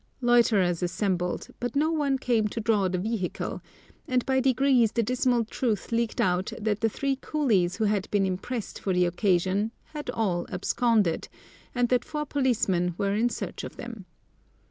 Loiterers assembled, but no one came to draw the vehicle, and by degrees the dismal truth leaked out that the three coolies who had been impressed for the occasion had all absconded, and that four policemen were in search of them.